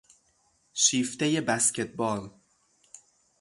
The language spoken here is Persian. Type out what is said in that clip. شیفتهی بسکتبال